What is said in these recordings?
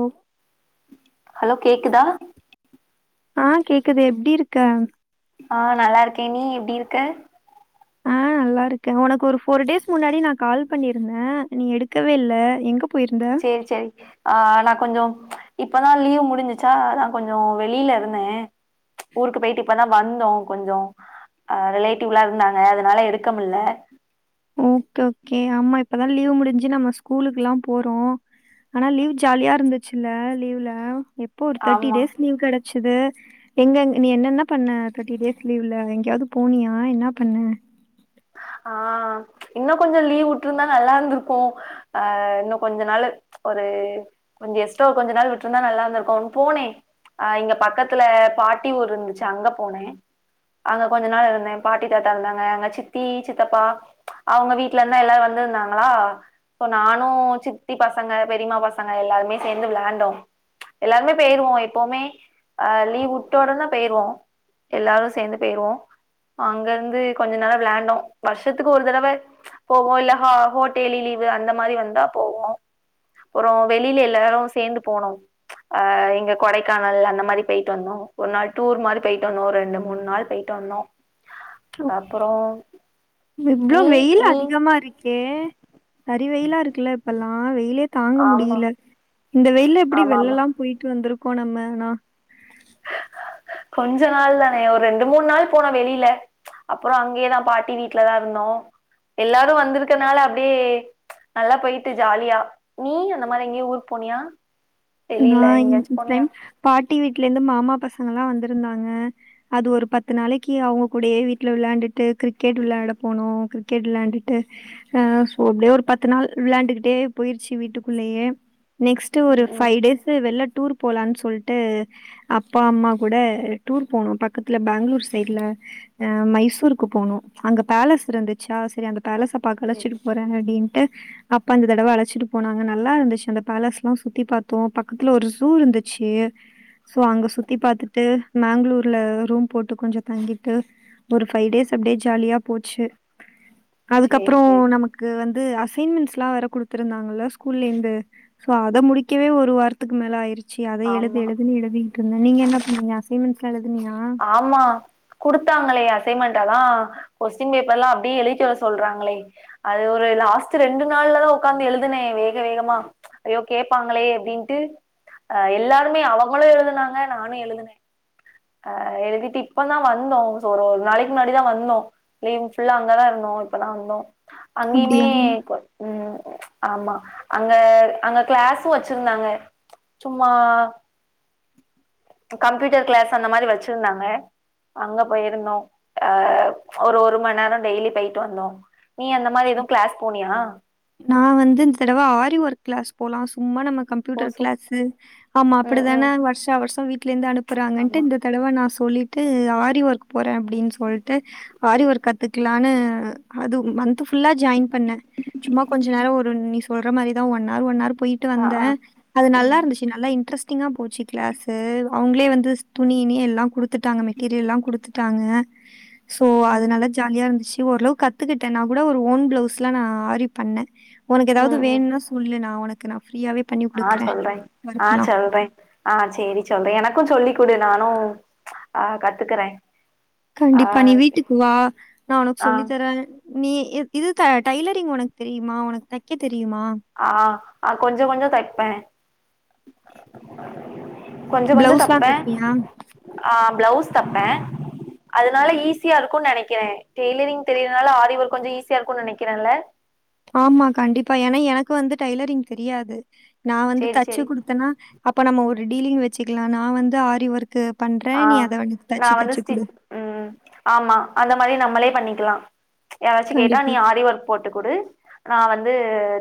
ஓ hello கேக்குதா ஆ கேக்குது எப்டி இருக்க ஆ நல்லா இருக்கே நீ எப்டி இருக்க ஆ நல்லா இருக்கே ஒனக்கு ஒரு ஃபோர் டேஸ் முன்னாடி நா கால் பண்ணிருந்தே நீ எடுக்கவே இல்ல எங்க போயிருந்த சேரி சேரி ஆ நா கொஞ்ச இப்பதா லீவ் முடிஞ்சிச்சா நா கொஞ்சோ வெளியில இருந்தே ஊருக்கு போயிட்டு இப்ப தா வந்தோ கொஞ்சோ அ ரிலேட்டிவ்லா இருந்தாங்க அதனால எடுக்க முல்ல ஓகே ஓகே ஆமா இப்பதா லீவு முடிஞ்சு நம்ம ஸ்கூலுக்குல்லா போறோ ஆனா லீவ் ஜாலியா இருந்துச்சுல்ல லீவ்ல எப்போ ஒரு தேட்டி ஆமா டேஸ் லீவ் கடச்சிது எங்கங்க நீ என்னென்ன பண்ண தேட்டி டேஸ் லீவ்ல எங்கேயாது போனியா என்ன பண்ண ஆ இன்னு கொஞ்சோ லீவ் வுட்ருந்தா நல்லா இருந்துருக்கு ஆ இன்னு கொஞ்ச நாளு ஒரு கொஞ்ச எஸ்டா கொஞ்ச நாள் விட்டுருந்தா நல்லா இருந்துக்கு போனே அ இங்க பக்கத்துல பாட்டி ஊர் இருந்துச்சு அங்க போனே அங்க கொஞ்ச நாள் இருந்தே பாட்டி தாத்தா இருந்தாங்க அங்க சித்தி சித்தப்பா அவுங்க வீட்லேந்தா எல்லாரு வந்துருந்தாங்ளா இப்போ நானு சித்தி பசங்க பெரிமா பசங்க எல்லாருமே சேந்து வெளாயாண்டோ எல்லாருமே போயிருவோ எப்போமே அ லீவ் வுட்ட ஒடனே போயிருவோ எல்லாரு சேந்து போயிவோ அங்க இருந்து கொஞ்ச நேர விளான் னு வர்ஷத்துக்கு ஒரு தடவ போவோ இல்ல ஹா ஹோட்டேலி லீவு அந்த மாரி வந்தா போவோ ப்புறோ வெளியல எல்லாரு சேந்து போனோ ஆ இங்க கொடைக்கானல் அந்த மாரி போயிட்டு வந்தோ ஒரு நாள் டூர் மாரி போயிட்டு வந்தோ ஒரு ரெண்டு மூண் நாள் போயி ட்டோனோ அப்றோ இவ்ளோ வெயில் அதிகமா இருக்கே சரி வெயிலா இருக்குல்ல இப்பல்லா வெயிலே தாங்க ஆமா முடியில இந்த வெயில்ல எப்டி ஆமா ஆமா வெள்லலா போயிட்டு வந்துர்ருக்கோ நம்ம னா கொஞ்ச நாள் தானே ஒரு ரெண்டு மூண் நாள் போன வெளில அப்றோ அங்கேயேதா பாட்டி வீட்டுலதா இருந்தோ எல்லாரு வந்துருக்கனால அப்டியே நல்லா போயிட்டு ஜாலியா நீ அந்த மாரி எங்கியு ஊர் போனியா நா வெளியில எங்கயாச்சு இந்த போனியா டைம் பாட்டி வீட்லேருந்து மாமா பசங்கல்லா வந்துருந்திருந்தாங்க அது ஒரு பத்து நாளைக்கி அவுங்க கூடேயே வீட்டுல விளாண்டுட்டு கிரிக்கெட் விளாட போனோ கிரிக் கிரிக்கெட் விளாண்ட்டு அ சோ அப்டியே ஒரு பத்து நாள் விளாண்டுகிட்டே போயிருச்சு வீட்டுக்குள்ளேயே நெக்ஸ்ட் ஒரு ம் டேஸ் வெள்ல டூர் போலானு சொல்ட்டு அப்பா அம்மா கூட டூர் போனோ பக்கத்துல பெங்களூர் சைட்ல அ மைசூருக்கு போனோ அங்க பேலஸ் இருந்துச்சா செரி அந்த பேலஸ பாக்கல அழச்சிட்டு போறே அப்டின்னு அப்பா இந்த தடவ அழச்சிட்டு போனாங்க நல்லா இருந்துச்சு அந்த பேஸ்ல்லா சுத்தி பாத் தோ பக்கத்துல ஒரு ஜு இருந்துச்சு சோ அங்க சுத்தி பாத்துட்டு மேங்களூர்ல ரூம் போட்டு கொஞ்சோ தங்கிட்டு ஒரு பைவ் டேஸ் அப்டே ஜாலியா போச்சு சேரி சேரி அதுக்கப்றோ சேரி நமக்கு க்கு வந்து அசைன்மென்ஸ்லா வேர குடுத்துருந்தாங்க ஸ்கூல்லேந்து சோ அத முடி க்கவே ஒரு வாரத்துக்கு மேல ஆயிருச்சு அத எழுது ஆமா எழுதுன்னு எழுதி ட்ருந்த நீங்க என்ன பண்ணீங்க அஸ்ன்மெண்ட்ஸ்லா எழுதுனியா ஆமா குடுத்தாங்களே அசைன்மென்ட்டல்லா கொஸ்சின் பேப்பர்ல்லா அப்டியே எழுதிட்டு வர சொல்றாங்ளே அது ஒரு லாஸ்ட்டு ரெண்டு நாள்லதா உக்காந்து எழுதுனே வேக வேகமா ஐயோ கேபாங்களே அப்டின்ட்டு அ எல்லாருமே அவங்களு எழுதுனாங்க நானு எழுதுனே அ எழுதிட்டு இப்ப தா வந்தோ சோ ஒரு ஒரு நாளைக்கு முன்னாடிதா வந்தோ லீவ்வு ஃபுல்லா அங்கதா இருந்தோ இப்ப தா வந்தோ அங்கியுமே அப்படியா? ம் ஆமா அங்க அங்க கிளாஸ் வச்சிருந்தாங்க சும்மா கம்ப்யூட்டர் கிளாஸ் அந்த மாரி வச்சுருந்தாங்க அங்க போயிருந்தோ அ ஒரு ஒரு மண் நேரோ டெய்லி போயிட்டு வந்தோ நீ அந்த மாரி எதுவு கிளாஸ் போனியா நா வந்து இந்த தடவ ஆரி ஒர்க் கிளாஸ் போலா சும்மா நம்ம கம் ஓ துட சூப் கிள்ஸு ஆமா ம் அப்டிதானே ம் வர்ஷோ வர்ஷோ வீட்ல இருந்து அனுப்புறாங்கன்ட்டு ஆமா இந்த தடவ நா சொல்லிட்டு ஆரி ஒர்க் போறே அப்டின்னு சொல்ட்டு ஆரி ஒர்க் கத்துக்கலான்னு அது மந்த்து புல்லா ஜாயின் பண்ணே சும்மா கொஞ்ச நேரோ ஒரு நீ சொல்ற மாரிதா ஒன் ஆர் ஒன் ஆர் போயிட்டு ஆ வந்தே ஆ அது நல்லா ம் இருந்துச் நல்லா இன்ட்ரெஸ்டிங்கா போச்சு கிளாஸு அவுங்களே வந்து துணி கிணி எல்லா குடுத்துட்டாங்க மெட்டீரியல் எல்லா குடுத்துட் டாங்க சோ ம் அதுனல்லா ஜாலியா இருந்துச்சு ஓரளவுக்கு கத்துக்கிட்டே நா கூட ஒரு ஓன் பிளவுஸ்லா நா ஆரி பண்ணே ஒனக்கு ஏதாவது ம் ம் வேணுன்னா சொல்லு நா ஒனக்கு நா ப்ரீயாவே ஆ சொல்றே ஆ சொல்றே ஆ சேரி சொல்றே எனக்கு சொல்லி குடு நானு ஆ கத்துக்குறே கண்டிப்பா நீ வீட்டுக்கு வா நா ஒனக் ஆ சொல்லி தரே நீ இ இது ட பிரான்சு டைலரிங் ஒனக்கு தெரியுமா ஒனக்கு தைக்க தெரியுமா ஆ அ கொஞ்சோ கொஞ்சோ தப்பே கொஞ்ச கொஞ்ச பிளவுஸ்லாம் தப்பே தைப்பியா ஆ ப்ளொஸ் தப்பே அதனால ஈஸியா இருக்கு நெனைக்கிறே டெய்லரிங் தெரியதுனால ஆரி ஒர்க் கொஞ்சோ ஈஸியா இருக்கு நெனைக்கிறேல ஆமா கண்டிப்பா ஏனா எனக்கு வந்து டைலரிங் தெரியாது நா வந்து சேரி தச்சு சேரி குடுத்தனா அப்போ நம்ம ஒரு டீலிங் வச்சுக்கலா நா வந்து ஆரி ஒர்க்கு பண்றே ஆ நீ அத வந் நா தச்சு வந்து தச்சு குடு ஸ்டிச் ம் ஆமா அந்த மாரி நம்மளே பண்ணிக்கலா யாராச்சு கேட்டா நீ கண்டிப்பா ஆரி ஒர்க் போட்டு குடு நா வந்து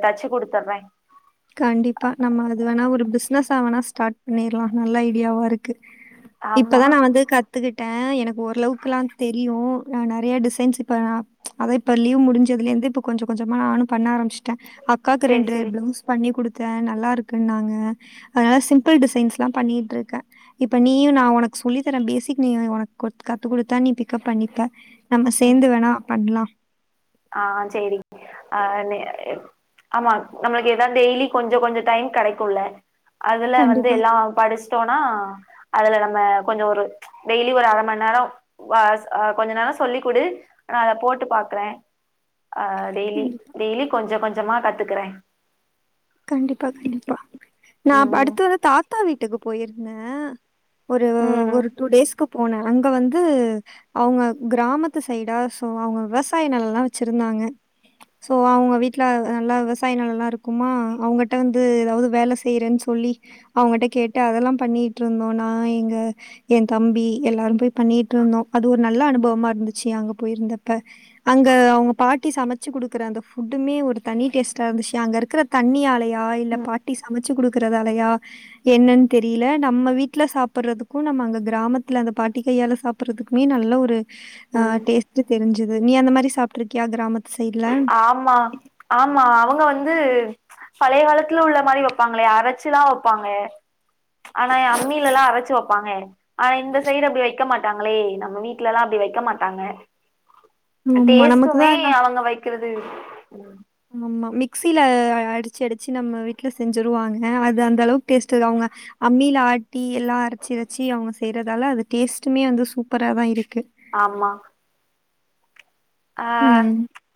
தச்சு குடுத்தர்றே கண்டிப்பா நம்ம அது வேணா ஒரு பிஸ்னஸா வேணா ஸ்டார்ட் பண்ணிர்லா நல்ல ஐடியாவா இருக்கு ஆமா இப்பதா நா வந்து கத் கத்துக்கிட்டே எனக்கு ஓரளவுக்குல்லா தெரியு நா நெறைய டிசைன்ஸ் இப்ப அதா இப்ப லீவ் முடிஞ்சதலேந்து இப்ப கொஞ்சோ கொஞ்சமா நானும் பண்ண ஆரமிச்ட்டே அக்காக்கு சேரி ரெண்டு சேரி பிளவுஸ் பண்ணி் குடுத்தே நல்லாருக்குன்னாங்க அதனால சிம்ப்பிள் டிசைன்ஸ்லாம் பண்ணிட்ருக்கே இப்ப நீயு நா ஒனக் சொல்லி தரேம் பேசிக் நீ வ ஒனக் ஒத் கத்து குடுத்தா நீ பிக்கப் பண்ணிட்ட நம்ம ம் சேந்து வேணா பண்லா ஆ சேரி ஆ நே எப் ஆமா நம்மளுக்கு எதா டெய்லி கொஞ்சோ கொஞ்சோ டைம் கெடைக்குல்ல அதுல வந்து கண்டிப்பா, எல்லா படிச்ட்டோனா அதுல நம்ம கொஞ்சோ ஒரு டெய்லி ஒரு அர மண் நேரோ வாச் அ கொஞ்ச நேரோ சொல்லிக்குடு நா அதப் போட்டு பாக்றே அ டெய்லி கண்டிப்பா, டெய்லி கொஞ்ச கொஞ்சமா கத்துகுறே கண்டிப்பா கண்டிப்பா நாப் ம் அடுத்து வந்து தாத்தா வீட்டுகு போயிருந்தே ஒரு ம் ஒரு டூ டேஸ்கு போனே அங்க வந்து அவுங்க கிராமத்து சைடா சோ அவுங்க விவசாய நெலலா வெச்சிருந்தாங்க சோ அவுங்க வீட்ல அ நல்லா விவசாய நெலலா இருக்குமா அவங்கிட்ட வந்து ஏதாவது வேல செய்யறேன் சொல்லி அவங்கிட்ட கேட்டு அதெல்லா பண்ணிட்டு இருந்தோனா ஏங்க ஏ தம்பி எல்லாரு போய் பண்ணிட்டு இருந்தோ அது ஒரு நல்ல அனுபவமா இருந்துச்சு அங்க போயிருந்தப்ப அங்க அவுங்க பாட்டி சமச்சு குடுக்குற அந்த ஃபுட்டுமே ஒரு தனி டேஸ்டா இருந்துச்சு அங்க இருக்குற தண்ணியாலயா இல்ல பாட்டி சமச்சு குடுக்கறதாலயா என்னன் தெரில நம்ம வீட்டுல சாப்பட்றதுக்கு நம்ம அங்க கிராமத்துல அந்த பாட்டி கையால சாப் சாப்பறதுக்குமே நல்ல ஒரு ஆ ம் டேஸ்ட் தெரிஞ்சுது நீ அந்த மாரி சாப்ட்டு இருக்கியா கிராமத்து சைட்ல ஆமா ஆமா அவுங்க வந்து பழைய காலத்ல உள்ள மாரி வெப்பாங்களே அரச்சுலா வெப்பாங்கே ஆனா எ அம்மிலல்லா அரச்சு வெப்பாங்கே ஆனா இந்த சைடு அப்டி வெக்க மாட்டாங்களே நம்ம வீட்லலா அப்டி வெக்க மாட்டாங்க ஆமா. நமக்கு டேஸ்ட்டுமே தான் அவங்க வெக்கிறது மம்மா மிக்சில அடிச்சி அடிச்சி நம்ம வீட்ல செஞ்சிருவாங்க அது அந்தளவுக் டேஸ்ட்டு இர் அவுங்க அம்மில ஆட்டி எல்லா அரச்சுரச்சி அவுங்க செய்றதால அது டேஸ்ட்டுமே வந்து சூப்பராதா இருக்கு ஆமா அ ம்.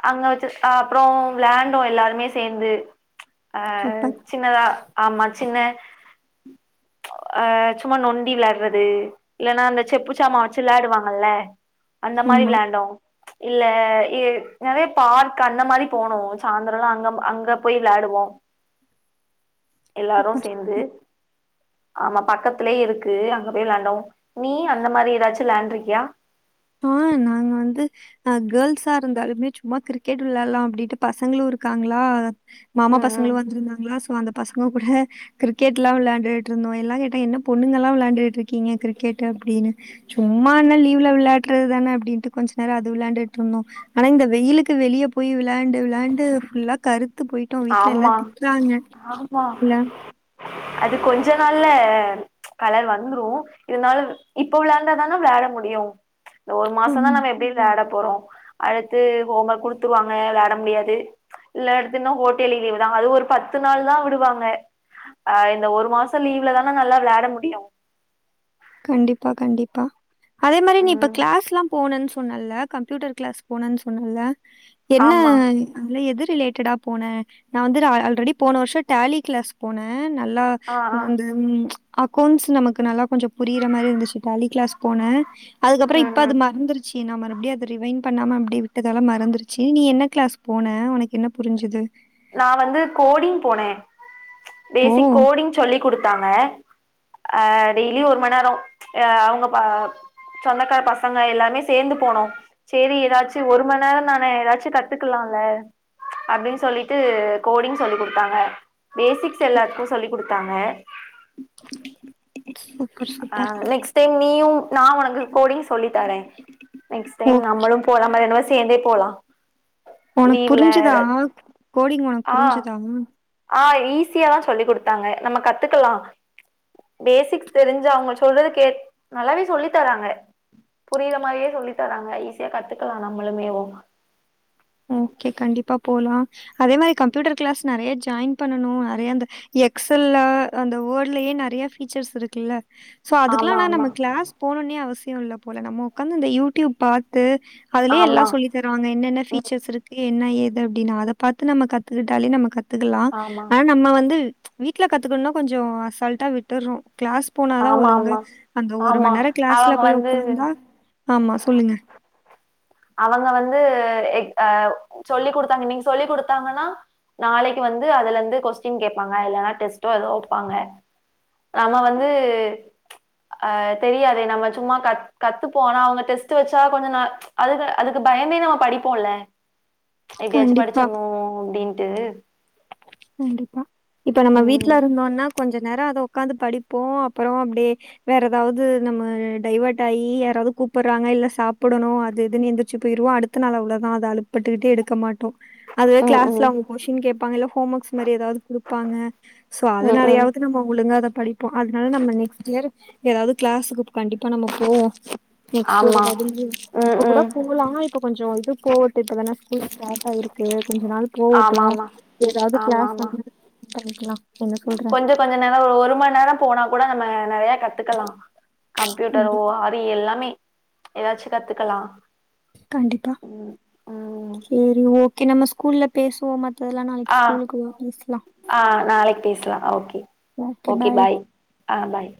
அங்க வெச்சு ஆப்றோ வ்ளாண்டோ எல்லாருமே சேந்து அ சூப்பர். சின்னதா ஆமா சின்ன அ சும்மா நொண்டி விளாட்றது இல்லனா அந்த செப்பு சாமா வெச்சு விளாடுவாங்கல்ல அந்த மாரி ஆமா. விளாண்டோ இல்ல இ நெறைய பார்க் அந்த மாரிப் போனோ சாந்திரலா அங்கம் அங்கப் போய் விளாடுவோ எல்லாரு சூப்பர். சேந்து ஆமா பக்கத்துலே இருக்கு அங்க போய் விளாண்டோ நீ அந்த மாரி எதாச்சு விளாண்ட்ருக்கியா ஆ நாங்க வந்து அ கேர்ள்சா இருந்தாலுமே சும்மா கிரிக்கெட் விளால்லா அப்டிட்டு பசங்ளு இருக்காங்ளா மாமா ம் பசங்ளு ம் வந்துருந்தாங்ளா சோ அந்தப் பசங்க கூட கிரிக்கெட்லா விளாண்டுட்ருந்தோ எல்லாம் கேட்டா என்னப் பொண்ணுங்கல்லா விளாண்டுட்ருக்கீங்க கிரிக்கெட்டு அப்டினு சும்மா என்னா லீவ்ல விளாட்றதுதானே அப்டின்ட்டு கொஞ்ச நேரோ அது விளாண்டுட்ருந்தோ ஆனா இந்த வெயிலுக்கு வெளியப் போய் விளாண்டு விளாண்டு ஃபுல்லாக் கருத்து போயிட் ட்டு வீட்ல ஆமா எல்லாத் திட்றாங்க ஆமா இல்ல அது கொஞ்ச நாள்ல கலர் வந்த்துரு இருந்தாலுவ் இப்ப விளாண்டாதான விளாட முடியு இந்த ஒரு ம். மாசந்தா நம்ம எப்டி விளாடப் போறோ அடுத்து ஹோம் ஒர்க் குடுத்துருவாங்க விளாட முடியாது இல்லாட்டின்னா கோட் டேலீ லீவு தான் அது ஒரு பத்து நாள் தான் விடுவாங்க ஆ இந்த ஒரு மாசம் லீவ்ல தானா நல்லா விளையாட முடியும் கண்டிப்பா கண்டிப்பா அதே மாரி நீ இப்ப ம் கிளாஸ்ல்லாம் போனன்னு சொன்னல கம்ப்யூட்டர் கிளாஸ் போனேன்னு சொன்னல என்ன ஆமா அத எது ரிலேட்டடா போன நா வந்து ஆல்ரெடி போன வருஷம் டாலி கிளாஸ் போனேன் நல்லா ஆ ஆ அந்த அக்கௌண்ட்ஸ் நமக்கு நல்லா கொஞ்சம் புரியற மாரி இருந்துச்சு டாலி கிளாஸ் போன அதுக்கப்பறம் ம் இப்ப அது ம் மறந்துச்சு சி நா மறுபடியும் அத ரிவைன் பண்ணாம அப்டி விட்டதால மறந்துருச்சு நீ என்ன கிளாஸ் போன உனக்கு என்ன புரிஞ்சிது நா வந்து கோடிங் போனே ஓ! பேசிக் கோடிங் சொல்லி குடுத்தாங்க அ டெய்லி ஒரு மண்நேரம் அவங்க ப சொந்தக்கார பசங்க எல்லாமே சேந்து போனோம் சேரி ஏதாச்சும் ஒரு மண்நேரம் தான ஏதாச்சும் கத்துக்கலால அப்டின்னு சொல்லி ட்டு கோடிங் சொல்லி குடுத்தாங்க பேசிக்ஸ் எல்லாருக்கும் சொல்லி குடுத்தாங்க சூப்பர், ஆ சூப்பர். நெக்ஸ்ட் நெக்ஸ்ட் டைம் நீயும் நா உனக்கு கோடிங் சொல்லித்தரேன் நெக்ஸ்ட் டைம் ஓகே. நம்மளும் போலாமேரி இருந்தா சேர்ந்தே போலாம் உனக்கு புரிஞ்சுதா கோடிங் உனக் ஆ ஆ ஈஸியாதா சொல்லி் குடுத்தாங்க நம்ம கத்துக்கலா பேசிக்ஸ் தெரிஞ்சு அவுங்கள் சொல்றதக் கேட் நல்லாவே சொல்லித் தராங்கே புரியிற மாரியே சொல்லித் தராங்க ஈஸியாக் கத்துக்கலா நம்மளுமே ஓ ஓகே கண்டிப்பா போலா அதே மாரி கம்ப்யூட்டர் கிளாஸ் நெறைய ஜாயின் பண்ணனு நெறைய அந்த எக்ஸல்ல அந்த வேர்ட்லயே நெறைய ஃபிச்சர்ஸ் இருக்குல்ல சோ ஆமா அதுக்லானா ஆமா நம்ம கிளாஸ் போணுன்னே அவசியோ இல்லப் போல நம்ம உக்காந்து இந்த யூடியூப் பாத்து அதுலியே எல்லா ஆமா சொல்லித் தருவாங்க என்னென்ன ஃபீச்சர்ஸ் இருக்கு என்ன ஏது அப்டினு அதப் பாத்து நம்ம கத்துகிட்டாலே நம்ம கத் கத்துக்கலாம் ஆமா ஆனா நம்ம வந்து வீட்ல கத்துக்கணும்னா கொஞ்சம் அசால்ட்டா விட்டுறோம் கிளாஸ் போனாதான் ஆமா ஒழுங்கா ஆமா அந்த ஒரு ஆமா மண்நேரம் அவங்க போய் வந்து உட்காந்தா ஆமா சொல்லுங்க அவங்க வந்து அ சொல்லி குடுத்தாங்க நீங்க சொல்லி குடுத்தாங்கன்னா நாளைக்கு வந்து அதுல இருந்து கொஸ்டின் கேட்பாங்க இல்லன்னா டெஸ்ட்டோ ஏதோ வைப்பாங்க நாம வந்து அ தெரியாதே நம்ம சும்மா கத் கத்துப்போம் அவங்க டெஸ்ட் வச்சா கொஞ்ச ந அதுக்கு அதுக்கு பயந்தே நம்ம படிப்போம்ல எப்டியாச்சும் கண்டிப்பா. படிச்சணும் அப்டின்ட்டு கண்டிப்பா இப்ப நம்ம வீட்ல ம் இருந்தோம்னா கொஞ்ச நேரௌ அத உக்காந்து படிப்போம் அப்பறோ அப்டியே வேற ஏதாவது நம்ம டைவர்ட் ஆயி யாராவது கூப்பிடுறாங்க இல்ல சாப்பிடணும் அது இதுனு எந்திரச்சு போயிருவோம் அடுத் அடுத்த நாலு அவ்ளோதாதான் அத அலுப்பு பட்டுக்கிட்டு எடுக்க மாட்டோம் அதுவே ம் கிளாஸ்ல ம் அவங்க கொஸ்டின் கேப்பாங்க இல்ல ஹோம் ஒர்க்ஸ் மாரி ஏதாவது குடுப்பாங்க சோ ம் ம் அதனாலயாவது நம்ம ஒழுங்கா அத படிப் ப்போம் அதனால நம்ம நெக்ஸ்ட் இயர் ஏதாவது கிளாஸுக்கு கண்டிப்பா நம்ம போவோம் நெக்ஸ்ட் இயர் ஆமா எதாவது நியூ ம் இப்ப கூடோ ம் பு இப்பலாம் இப்ப கொஞ்சம் இது போவட்டும் இப்ப வேனா ஸ்கூல் ஸ்டார்ட் ஆகி இருக்கு கொஞ்ச நாள் ஆமா போகட்டும் ஆமா ஏதாவது ஆமா கிளாஸ் ஆமா வந்து பண்ணிக்கலாம் என்ன சொல்ற கொஞ்ச கொஞ்ச நேரம் ஒரு மண்நேரம் போனா கூட நம்ம நிறைய கத்துக்கலாம் கம்ப்யூட்டர் கண்டி ஓ அது டி எல்லாமே ஏதாச்சும் கத்துக்கலா கண்டிப்பா ம் சேரி ஓகே நம்ம ஸ்கூல்ல பேசுவோமா மத்ததெல்லாம் நாளைக்கு ஆ ஸ்கூலுக்கு வா பேசலாம் ஆ நாளைக்கு பேசலாம் ஓகே ஓகே பாய் ஆ பாய்